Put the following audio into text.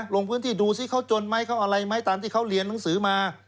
ลงพื้นที่ดูซิเขาจนไหมเขาอะไรไหมตามที่เขาเรียนหนังสือมา